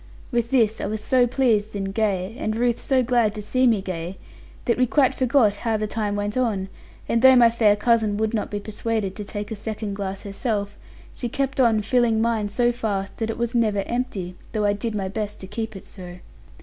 With this I was so pleased and gay, and Ruth so glad to see me gay, that we quite forgot how the time went on; and though my fair cousin would not be persuaded to take a second glass herself, she kept on filling mine so fast that it was never empty, though I did my best to keep it so.